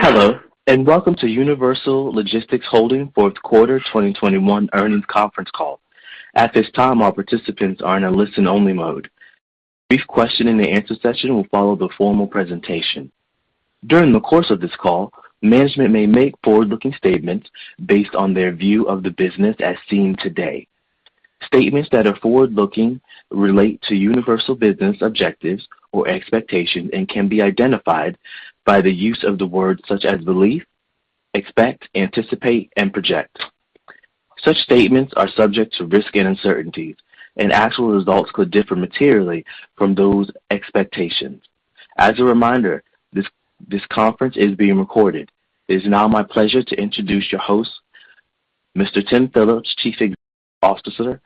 Hello, and welcome to Universal Logistics Holdings, Inc. Q4 2021 earnings conference call. At this time, all participants are in a listen-only mode. A brief question-and-answer session will follow the formal presentation. During the course of this call, management may make forward-looking statements based on their view of the business as seen today. Statements that are forward-looking relate to Universal business objectives or expectations and can be identified by the use of the words such as belief, expect, anticipate, and project. Such statements are subject to risks and uncertainties, and actual results could differ materially from those expectations. As a reminder, this conference is being recorded. It is now my pleasure to introduce your host, Mr. Tim Phillips, Chief Executive Officer,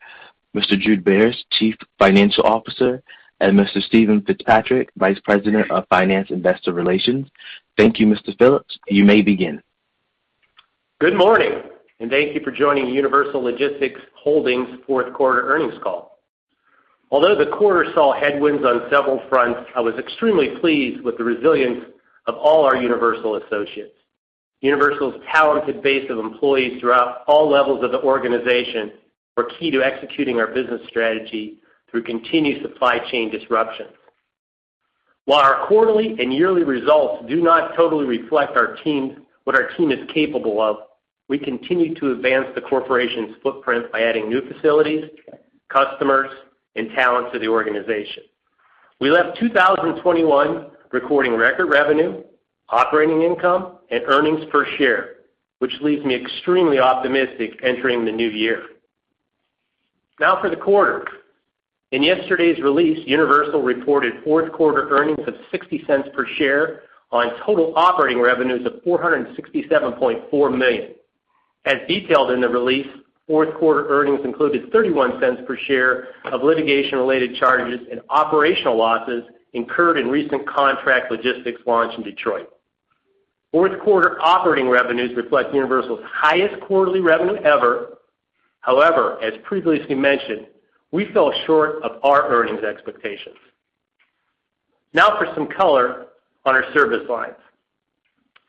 Mr. Jude Beres, Chief Financial Officer, and Mr. Steven Fitzpatrick, Vice President of Finance and Investor Relations. Thank you, Mr. Phillips. You may begin. Good morning, and thank you for joining Universal Logistics Holdings Q4 earnings call. Although the quarter saw headwinds on several fronts, I was extremely pleased with the resilience of all our Universal associates. Universal's talented base of employees throughout all levels of the organization were key to executing our business strategy through continued supply chain disruption. While our quarterly and yearly results do not totally reflect our team, what our team is capable of, we continue to advance the corporation's footprint by adding new facilities, customers, and talent to the organization. We left 2021 with record revenue, operating income, and earnings per share, which leaves me extremely optimistic entering the new year. Now for the quarter. In yesterday's release, Universal reported fourth-quarter earnings of $0.60 per share on total operating revenues of $467.4 million. As detailed in the release, fourth-quarter earnings included $0.31 per share of litigation-related charges and operational losses incurred in recent contract logistics launch in Detroit. Q4 operating revenues reflect Universal's highest quarterly revenue ever. However, as previously mentioned, we fell short of our earnings expectations. Now for some color on our service lines.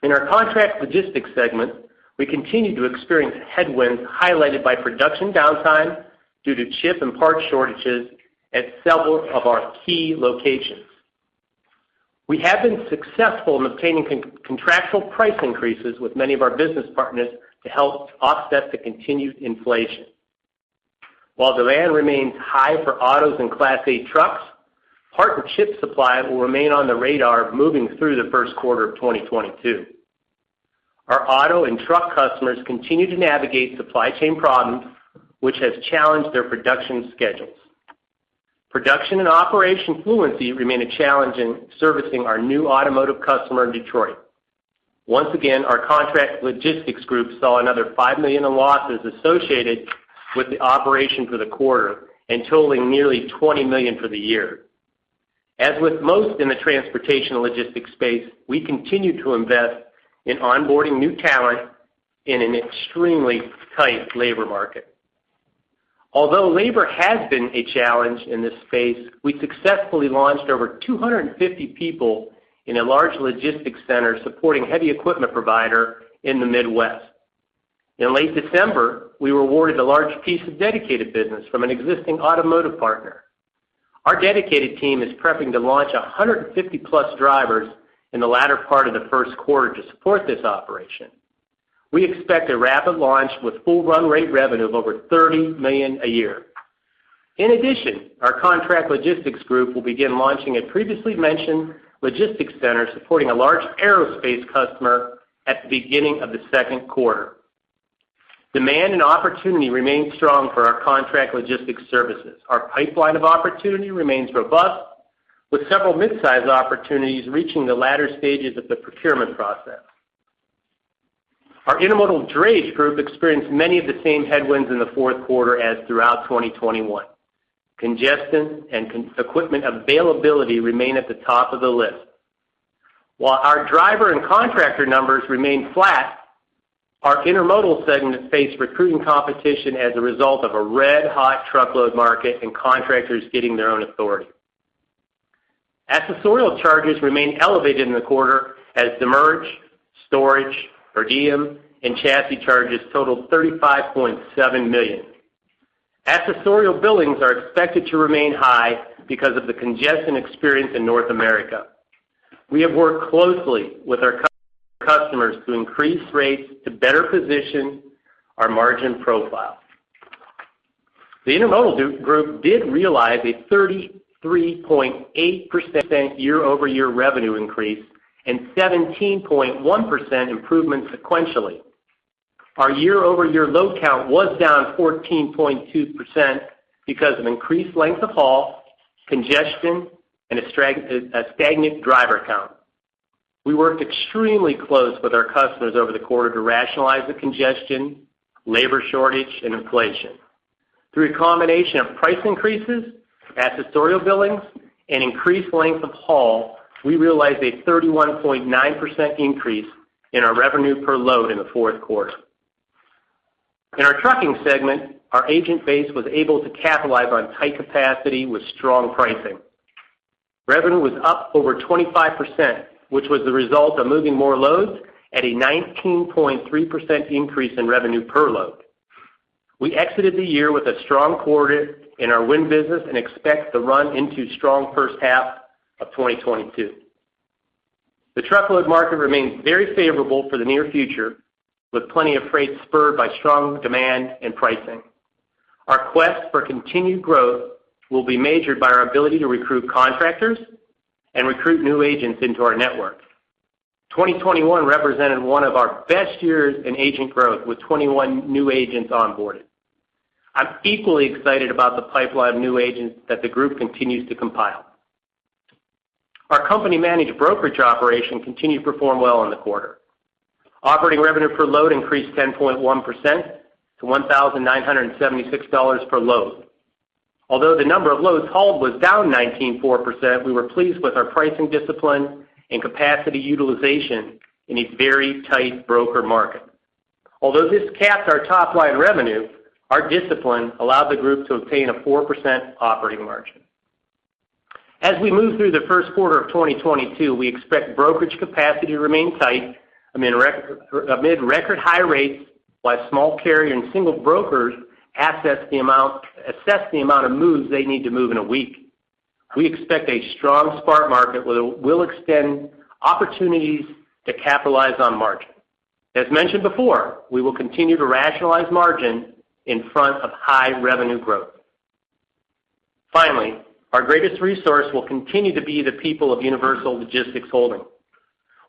In our contract logistics segment, we continued to experience headwinds highlighted by production downtime due to chip and part shortages at several of our key locations. We have been successful in obtaining contractual price increases with many of our business partners to help offset the continued inflation. While demand remains high for autos and Class eight trucks, part and chip supply will remain on the radar moving through the Q1 of 2022. Our auto and truck customers continue to navigate supply chain problems, which has challenged their production schedules. Production and operational fluency remain a challenge in servicing our new automotive customer in Detroit. Once again, our contract logistics group saw another $5 million in losses associated with the operation for the quarter and totaling nearly $20 million for the year. As with most in the transportation logistics space, we continue to invest in onboarding new talent in an extremely tight labor market. Although labor has been a challenge in this space, we successfully launched over 250 people in a large logistics center supporting a heavy equipment provider in the Midwest. In late December, we were awarded a large piece of dedicated business from an existing automotive partner. Our dedicated team is prepping to launch 150-plus drivers in the latter part of the Q1 to support this operation. We expect a rapid launch with full run rate revenue of over $30 million a year. In addition, our contract logistics group will begin launching a previously mentioned logistics center supporting a large aerospace customer at the beginning of the Q2. Demand and opportunity remain strong for our contract logistics services. Our pipeline of opportunity remains robust, with several mid-sized opportunities reaching the latter stages of the procurement process. Our intermodal drayage group experienced many of the same headwinds in the Q4 as throughout 2021. Congestion and equipment availability remain at the top of the list. While our driver and contractor numbers remain flat, our intermodal segment faced recruiting competition as a result of a red-hot truckload market and contractors getting their own authority. Accessorial charges remained elevated in the quarter as demurrage, storage, per diem, and chassis charges totaled $35.7 million. Accessorial billings are expected to remain high because of the congestion experienced in North America. We have worked closely with our customers to increase rates to better position our margin profile. The intermodal group did realize a 33.8% year-over-year revenue increase and 17.1% improvement sequentially. Our year-over-year load count was down 14.2% because of increased length of haul, congestion, and a stagnant driver count. We worked extremely close with our customers over the quarter to rationalize the congestion, labor shortage, and inflation. Through a combination of price increases, accessorial billings, and increased length of haul, we realized a 31.9% increase in our revenue per load in the Q4. in our trucking segment, our agent base was able to capitalize on tight capacity with strong pricing. Revenue was up over 25%, which was the result of moving more loads at a 19.3% increase in revenue per load. We exited the year with a strong quarter in our wind business and expect to run into strong H1 of 2022. The truckload market remains very favorable for the near future, with plenty of freight spurred by strong demand and pricing. Our quest for continued growth will be measured by our ability to recruit contractors and recruit new agents into our network. 2021 represented one of our best years in agent growth, with 21 new agents onboarded. I'm equally excited about the pipeline of new agents that the group continues to compile. Our company-managed brokerage operation continued to perform well in the quarter. Operating revenue per load increased 10.1% to $1,976 per load. Although the number of loads hauled was down 19.4%, we were pleased with our pricing discipline and capacity utilization in a very tight broker market. Although this capped our top line revenue, our discipline allowed the group to obtain a 4% operating margin. As we move through the Q1 of 2022, we expect brokerage capacity to remain tight amid record high rates by small carrier and single brokers assess the amount of moves they need to move in a week. We expect a strong spot market will extend opportunities to capitalize on margin. As mentioned before, we will continue to rationalize margin in front of high revenue growth. Finally, our greatest resource will continue to be the people of Universal Logistics Holdings, Inc.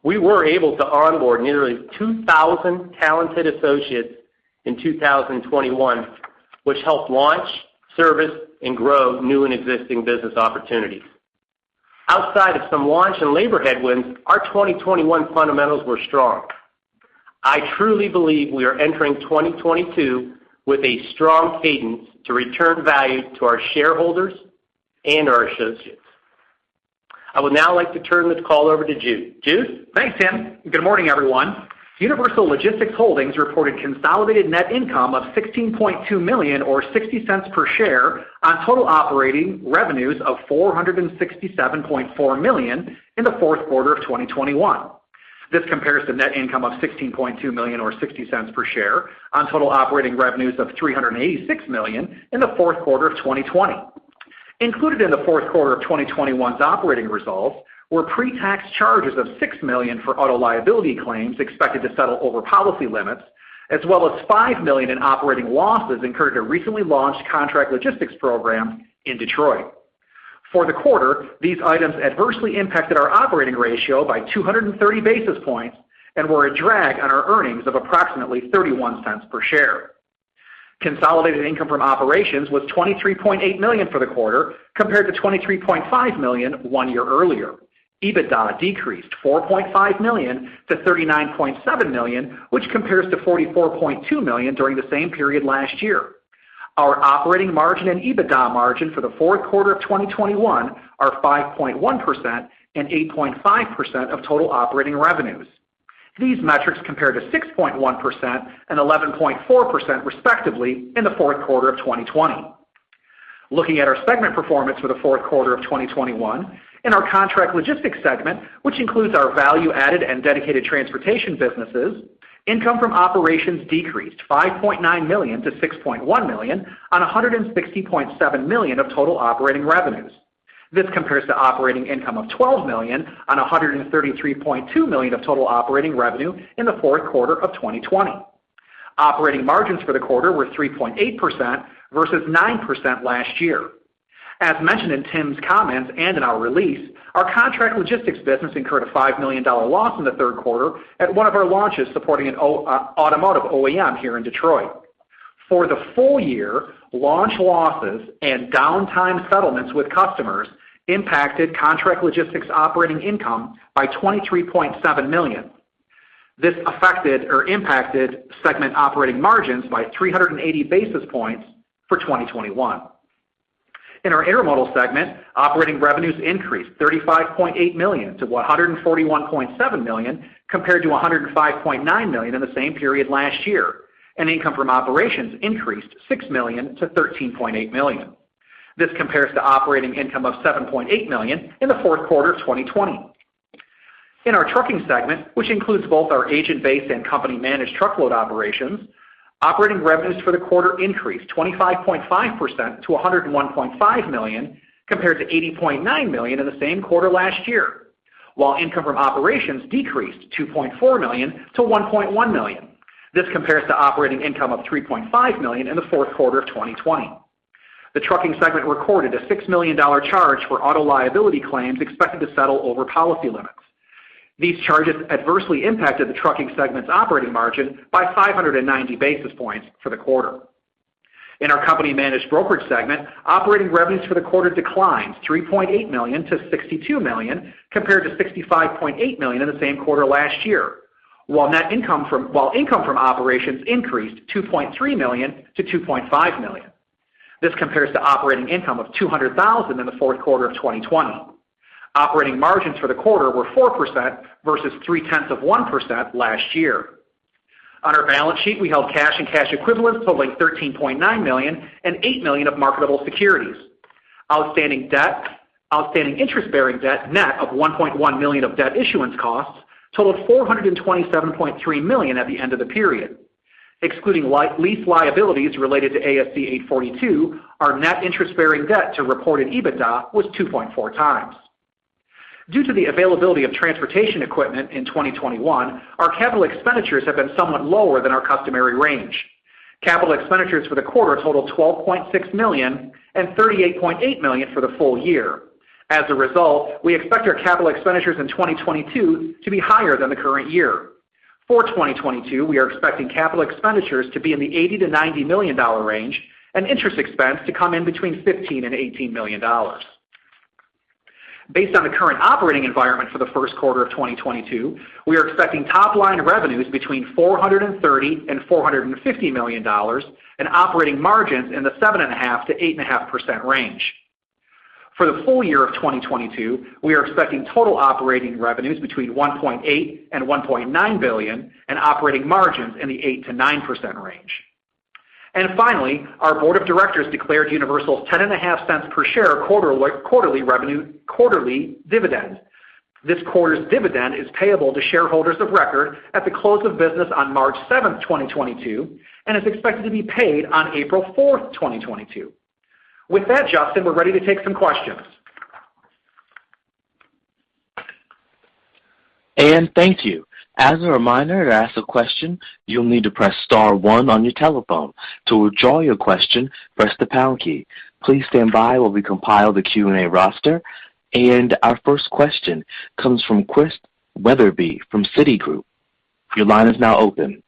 We were able to onboard nearly 2,000 talented associates in 2021, which helped launch, service, and grow new and existing business opportunities. Outside of some launch and labor headwinds, our 2021 fundamentals were strong. I truly believe we are entering 2022 with a strong cadence to return value to our shareholders and our associates. I would now like to turn this call over to Jude Beres. Jude? Thanks, Tim. Good morning, everyone. Universal Logistics Holdings reported consolidated net income of $16.2 million or $0.60 per share on total operating revenues of $467.4 million in the Q4 of 2021. This compares to net income of $16.2 million or $0.60 per share on total operating revenues of $386 million in the Q4 of 2020. Included in the Q4 of 2021's operating results were pre-tax charges of $6 million for auto liability claims expected to settle over policy limits, as well as $5 million in operating losses incurred in a recently launched contract logistics program in Detroit. For the quarter, these items adversely impacted our operating ratio by 230 basis points and were a drag on our earnings of approximately $0.31 per share. Consolidated income from operations was $23.8 million for the quarter, compared to $23.5 million one year earlier. EBITDA decreased $4.5- $39.7 million, which compares to $44.2 million during the same period last year. Our operating margin and EBITDA margin for the Q4 of 2021 are 5.1% and 8.5% of total operating revenues. These metrics compare to 6.1% and 11.4% respectively in the Q4 of 2020. Looking at our segment performance for the Q4 of 2021, in our contract logistics segment, which includes our value-added and dedicated transportation businesses, income from operations decreased $5.9- $6.1 million on $160.7 millions of total operating revenues. This compares to operating income of $12 million on $133.2 million of total operating revenue in the Q4 of 2020. Operating margins for the quarter were 3.8% versus 9% last year. As mentioned in Tim's comments and in our release, our contract logistics business incurred a $5 million loss in the Q3 at one of our launches supporting an automotive OEM here in Detroit. For the full year, launch losses and downtime settlements with customers impacted contract logistics operating income by $23.7 million. This affected or impacted segment operating margins by 380 basis points for 2021. In our Intermodal segment, operating revenues increased $35.8-$141.7 million compared to $105.9 million in the same period last year, and income from operations increased $6-$13.8 million. This compares to operating income of $7.8 million in the Q4 of 2020. In our Trucking segment, which includes both our agent-based and company-managed truckload operations, operating revenues for the quarter increased 25.5% to $101.5 million compared to $80.9 million in the same quarter last year, while income from operations decreased $2.4-$1.1 million. This compares to operating income of $3.5 million in the Q4 of 2020. The trucking segment recorded a $6 million charge for auto liability claims expected to settle over policy limits. These charges adversely impacted the trucking segment's operating margin by 590 basis points for the quarter. In our company-managed brokerage segment, operating revenues for the quarter declined $3.8- $62 million compared to $65.8 million in the same quarter last year, while income from operations increased $2.3-$2.5 million. This compares to operating income of $200,000 in the Q4 of 2020. Operating margins for the quarter were 4% versus 0.3% last year. On our balance sheet, we held cash and cash equivalents totaling $13.9 million and $8 million of marketable securities. Outstanding interest-bearing debt, net of $1.1 million of debt issuance costs, totaled $427.3 million at the end of the period. Excluding lease liabilities related to ASC 842, our net interest-bearing debt to reported EBITDA was 2.4 times. Due to the availability of transportation equipment in 2021, our capital expenditures have been somewhat lower than our customary range. Capital expenditures for the quarter totaled $12.6 million and $38.8 million for the full year. As a result, we expect our capital expenditures in 2022 to be higher than the current year. For 2022, we are expecting capital expenditures to be in the $80-$90 million range and interest expense to come in between $15 million and $18 million. Based on the current operating environment for the Q1 of 2022, we are expecting top-line revenues between $430 million and $450 million and operating margins in the 7.5%-8.5% range. For the full year of 2022, we are expecting total operating revenues between $1.8 billion and $1.9 billion and operating margins in the 8%-9% range. Finally, our board of directors declared Universal's $0.105 per share quarterly dividend. This quarter's dividend is payable to shareholders of record at the close of business on March 7th, 2022, and is expected to be paid on April 4th, 2022. With that, Justin, we're ready to take some questions. Thank you. As a reminder, to ask a question, you'll need to press star one on your telephone. To withdraw your question, press the pound key. Please stand by while we compile the Q&A roster. Our first question comes from Chris Wetherbee from Citigroup. Your line is now open.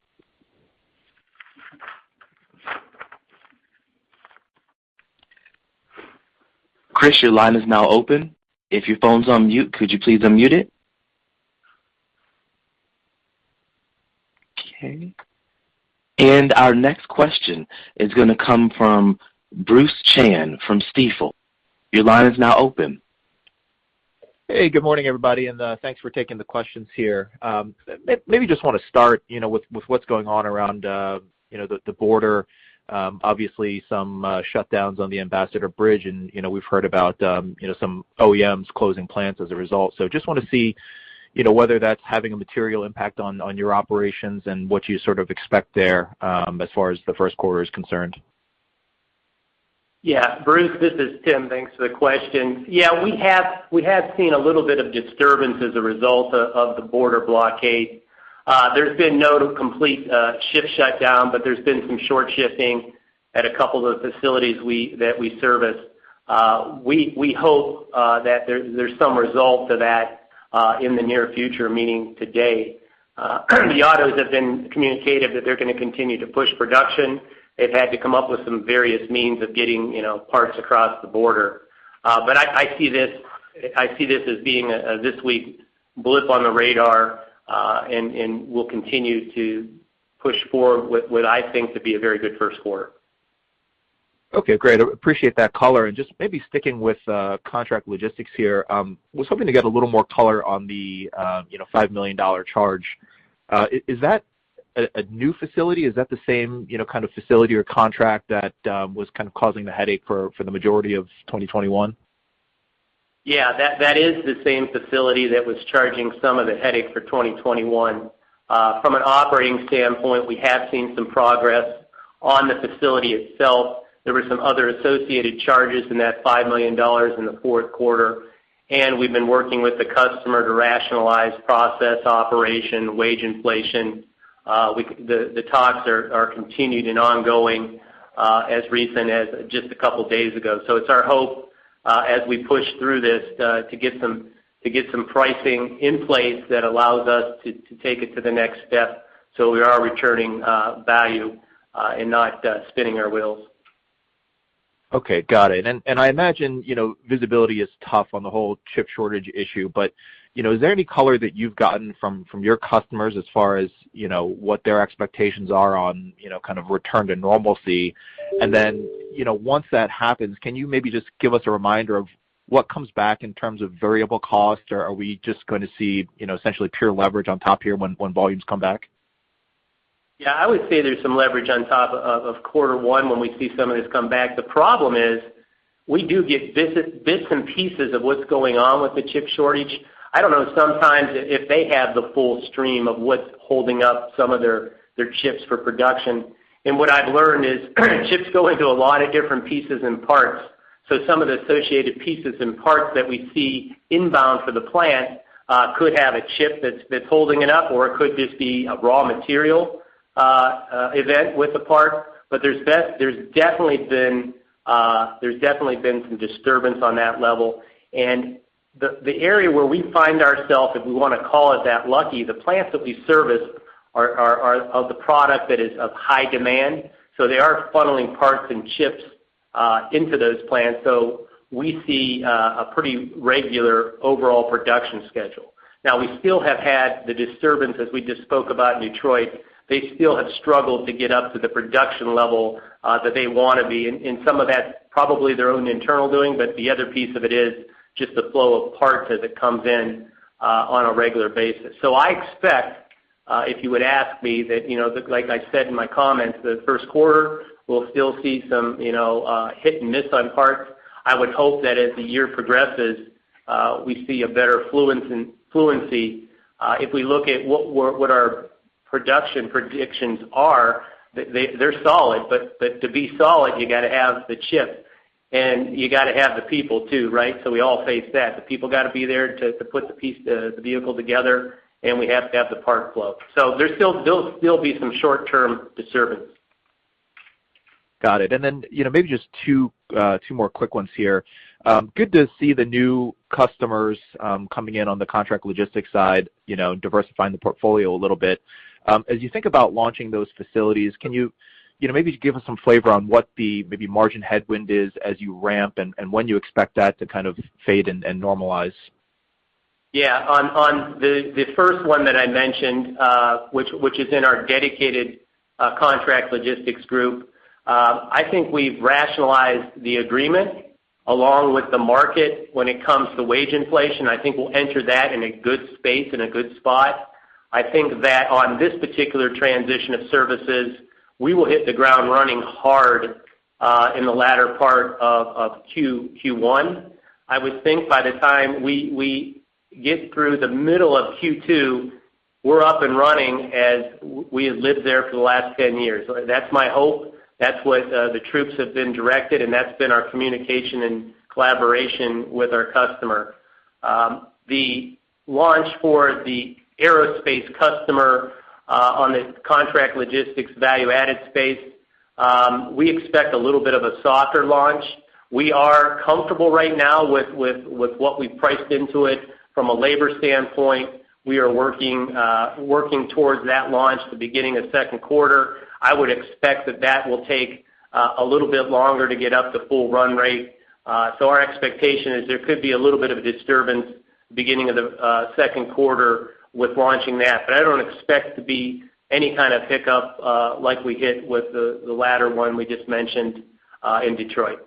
Chris, your line is now open. If your phone's on mute, could you please unmute it? Okay. Our next question is going to come from Bruce Chan from Stifel. Your line is now open. Hey, good morning, everybody, and thanks for taking the questions here. Maybe just want to start, you know, with what's going on around the border. Obviously, some shutdowns on the Ambassador Bridge and, you know, we've heard about some OEMs closing plants as a result. Just want to see, you know, whether that's having a material impact on your operations and what you sort of expect there as far as the Q1 is concerned. Bruce Chan, this is Tim Phillips. Thanks for the question. We have seen a little bit of disturbance as a result of the border blockade. There's been no complete ship shutdown, but there's been some short shifting at a couple of the facilities that we service. We hope that there's some result to that in the near future, meaning today. The autos have been communicative that they're going to continue to push production. They've had to come up with some various means of getting, you know, parts across the border. But I see this as being this week blip on the radar, and we'll continue to push forward what I think to be a very good Q1. Okay, great. Appreciate that color. Just maybe sticking with contract logistics here. Was hoping to get a little more color on the, you know, $5 million charge. Is that a new facility? Is that the same, you know, kind of facility or contract that was kind of causing the headache for the majority of 2021? Yeah, that is the same facility that was causing some of the headache for 2021. From an operating standpoint, we have seen some progress on the facility itself. There were some other associated charges in that $5 million in the Q4, and we've been working with the customer to rationalize process, operation, wage inflation. The talks are continued and ongoing, as recently as just a couple of days ago. It's our hope, as we push through this, to get some pricing in place that allows us to take it to the next step, so we are returning value and not spinning our wheels. Okay, got it. I imagine, you know, visibility is tough on the whole chip shortage issue, but, you know, is there any color that you've gotten from your customers as far as, you know, what their expectations are on, you know, kind of return to normalcy? Once that happens, you know, can you maybe just give us a reminder of what comes back in terms of variable costs? Are we just going to see, you know, essentially pure leverage on top here when volumes come back? Yeah, I would say there's some leverage on top of quarter one when we see some of this come back. The problem is we do get bits and pieces of what's going on with the chip shortage. I don't know sometimes if they have the full stream of what's holding up some of their chips for production. What I've learned is chips go into a lot of different pieces and parts. So, some of the associated pieces and parts that we see inbound for the plant could have a chip that's holding it up, or it could just be a raw material event with the part. There's definitely been some disturbance on that level. The area where we find ourselves, if we want to call it that lucky, the plants that we service are of the product that is of high demand, so they are funneling parts and chips into those plants. We see a pretty regular overall production schedule. Now we still have had the disturbance as we just spoke about in Detroit. They still have struggled to get up to the production level that they want to be. Some of that's probably their own internal doing, but the other piece of it is just the flow of parts as it comes in on a regular basis. I expect, if you would ask me that, you know, like I said in my comments, the Q1, we'll still see some, you know, hit and miss on parts. I would hope that as the year progresses, we see a better fluency. If we look at what our production predictions are, they're solid. To be solid, you got to have the chip, and you got to have the people too, right? We all face that. The people got to be there to put the vehicle together, and we have to have the part flow. There still be some short-term disturbance. Got it. You know, maybe just two more quick ones here. Good to see the new customers coming in on the contract logistics side, you know, diversifying the portfolio a little bit. As you think about launching those facilities, can you know, maybe give us some flavor on what the maybe margin headwind is as you ramp and when you expect that to kind of fade and normalize? Yeah. On the first one that I mentioned, which is in our dedicated contract logistics group, I think we've rationalized the agreement along with the market when it comes to wage inflation. I think we'll enter that in a good space, in a good spot. I think that on this particular transition of services, we will hit the ground running hard in the latter part of Q1. I would think by the time we get through the middle of Q2, we're up and running as we have lived there for the last 10 years. That's my hope. That's what the troops have been directed, and that's been our communication and collaboration with our customer. The launch for the aerospace customer on the contract logistics value-added space, we expect a little bit of a softer launch. We are comfortable right now with what we priced into it from a labor standpoint. We are working towards that launch the beginning of Q2. I would expect that will take a little bit longer to get up to full run rate. Our expectation is there could be a little bit of a disturbance beginning of the Q2 with launching that. I don't expect to be any kind of hiccup like we hit with the latter one we just mentioned in Detroit.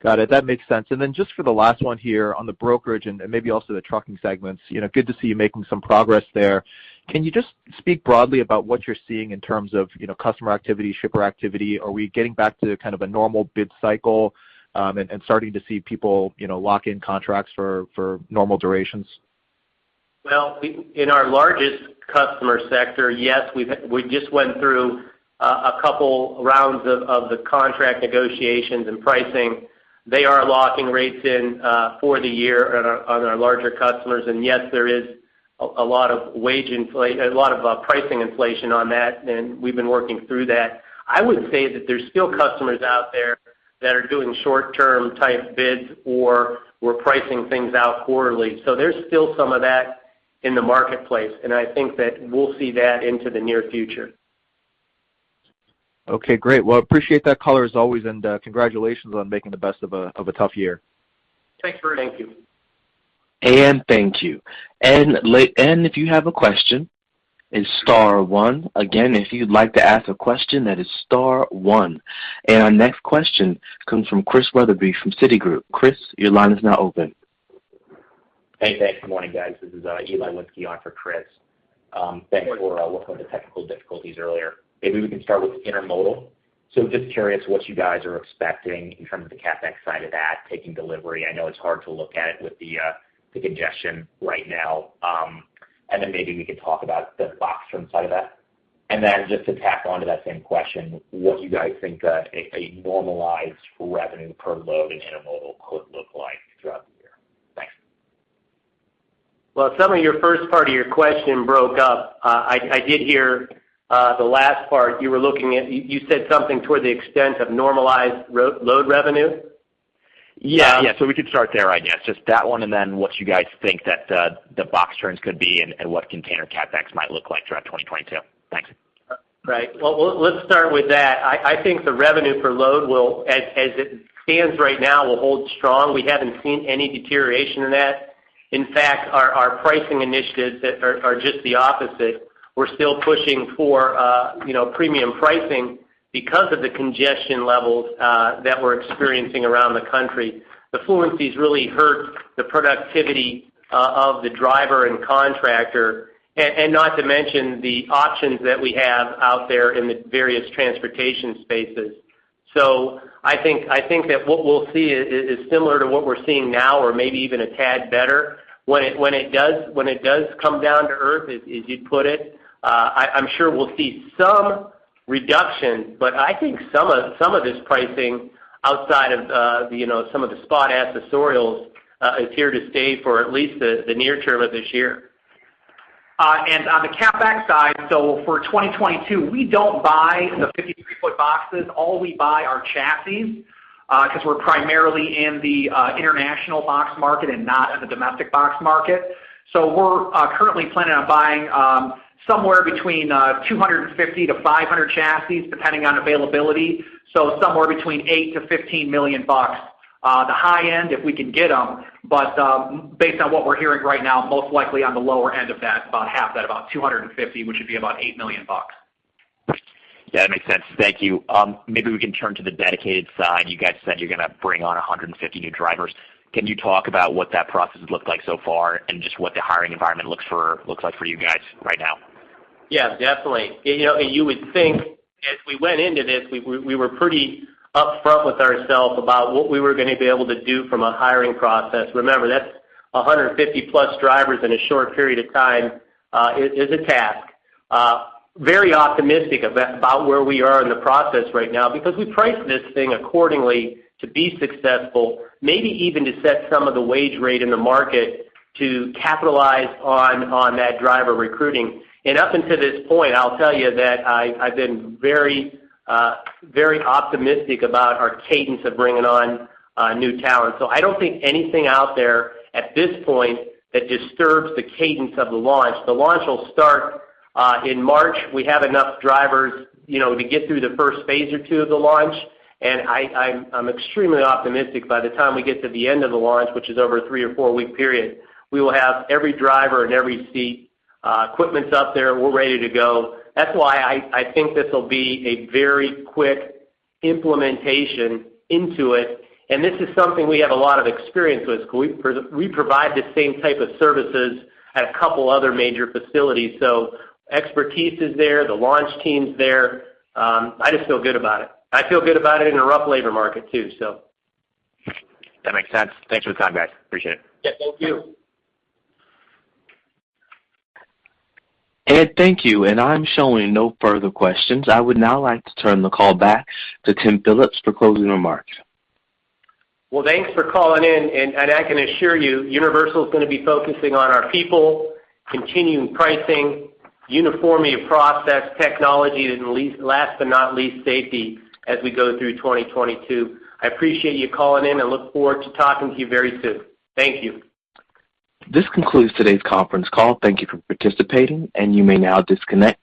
Got it. That makes sense. Just for the last one here on the brokerage and maybe also the trucking segments, you know, good to see you making some progress there. Can you just speak broadly about what you're seeing in terms of, you know, customer activity, shipper activity? Are we getting back to kind of a normal bid cycle and starting to see people, you know, lock in contracts for normal durations? In our largest customer sector, yes, we just went through a couple rounds of the contract negotiations and pricing. They are locking rates in for the year on our larger customers. Yes, there is a lot of pricing inflation on that, and we've been working through that. I would say that there's still customers out there that are doing short-term type bids or we're pricing things out quarterly. There's still some of that in the marketplace, and I think that we'll see that into the near future. Okay, great. Well, I appreciate that color as always, and congratulations on making the best of a tough year. Thanks, Bruce. Thank you. Thank you. If you have a question, it's star one. Again, if you'd like to ask a question, that is star one. Our next question comes from Christian Wetherbee from Citigroup. Chris, your line is now open. Hey, thanks. Good morning, guys. This is Eli Winski on for Chris. Thanks for working with the technical difficulties earlier. Maybe we can start with intermodal. Just curious what you guys are expecting in terms of the CapEx side of that, taking delivery. I know it's hard to look at it with the congestion right now. Maybe we could talk about the box room side of that. Just to tack on to that same question, what you guys think a normalized revenue per load in intermodal could look like throughout the year? Thanks. Well, some of your first part of your question broke up. I did hear the last part. You were looking at. You said something to the extent of normalized load revenue? We could start there, I guess. Just that one, and then what you guys think that the box turns could be and what container CapEx might look like throughout 2022. Thanks. Right. Well, let's start with that. I think the revenue per load will, as it stands right now, will hold strong. We haven't seen any deterioration in that. In fact, our pricing initiatives are just the opposite. We're still pushing for, you know, premium pricing because of the congestion levels that we're experiencing around the country. The inefficiencies really hurt the productivity of the driver and contractor, and not to mention the options that we have out there in the various transportation spaces. I think that what we'll see is similar to what we're seeing now or maybe even a tad better. When it does come down to earth, as you put it, I'm sure we'll see some reduction. I think some of this pricing outside of, you know, some of the spot accessorial, is here to stay for at least the near term of this year. On the CapEx side, for 2022, we don't buy the 53-foot boxes. All we buy are chassis because we're primarily in the international box market and not in the domestic box market. We're currently planning on buying somewhere between 250-500 chassis, depending on availability, so somewhere between $8-$15 million, the high end, if we can get them. Based on what we're hearing right now, most likely on the lower end of that, about half that, about 250, which would be about $8 million. Yeah, that makes sense. Thank you. Maybe we can turn to the dedicated side. You guys said you're going to bring on 150 new drivers. Can you talk about what that process has looked like so far and just what the hiring environment looks like for you guys right now? Yeah, definitely. You know, you would think as we went into this, we were pretty upfront with ourselves about what we were going to be able to do from a hiring process. Remember, that's 150-plus drivers in a short period of time is a task. Very optimistic about where we are in the process right now because we priced this thing accordingly to be successful, maybe even to set some of the wage rate in the market to capitalize on that driver recruiting. Up until this point, I'll tell you that I've been very optimistic about our cadence of bringing on new talent. I don't think anything out there at this point that disturbs the cadence of the launch. The launch will start in March. We have enough drivers, you know, to get through the first phase or two of the launch, and I am extremely optimistic by the time we get to the end of the launch, which is over a three or four-week period. We will have every driver in every seat. Equipment's up there. We're ready to go. That's why I think this will be a very quick implementation into it, and this is something we have a lot of experience with because we provide the same type of services at a couple other major facilities. Expertise is there, the launch teams there. I just feel good about it. I feel good about it in a rough labor market too. That makes sense. Thanks for the time, guys. Appreciate it. Yeah, thank you. And thank you. I'm showing no further questions. I would now like to turn the call back to Tim Phillips for closing remarks. Well, thanks for calling in. Ed, I can assure you, Universal is going to be focusing on our people, continuing pricing, uniformity of process, technology, and last but not least, safety as we go through 2022. I appreciate you calling in and look forward to talking to you very soon. Thank you. This concludes today's conference call. Thank you for participating, and you may now disconnect.